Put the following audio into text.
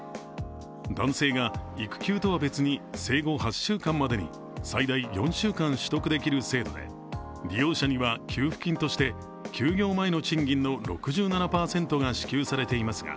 男性が育休とは別に生後８週間までに最大４週間取得できる制度で利用者には給付金として休業前の賃金の６７％が支給されていますが